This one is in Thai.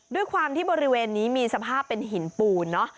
ด้วยความที่บริเวณนี้มีสภาพเป็นหินปูนเนอะ